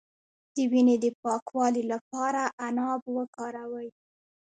د وینې د پاکوالي لپاره عناب وکاروئ